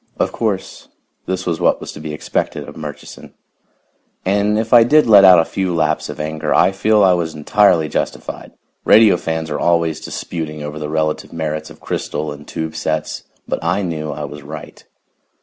Of course, this was what was to be expected of Murchison. And if I did let out a few laps of anger, I feel I was entirely justified. Radio fans are always disputing over the relative merits of crystal and tube sets, but I knew I was right.